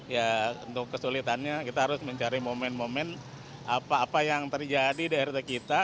ya untuk kesulitannya kita harus mencari momen momen apa apa yang terjadi di rt kita